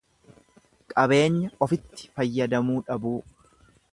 Qabeenya ofitti fayyadamuu dhabuu.